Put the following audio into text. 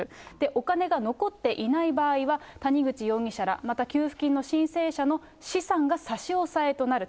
お金が残っていない場合は、谷口容疑者ら、また給付金の申請者の資産が差し押さえとなる。